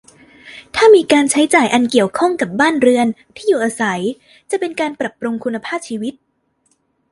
ถ้ามีค่าใช้จ่ายอันเกี่ยวข้องกับบ้านเรือน ที่อยู่อาศัย จะเป็นการปรับปรุงคุณภาพชีวิต